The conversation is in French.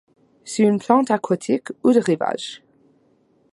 C'est une plante aquatique ou de rivage.